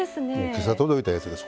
今朝届いたやつです